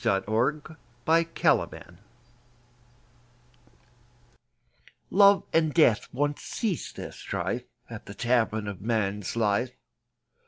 THE EXPLANATION Love and Death once ceased their strife At the Tavern of Man's Life.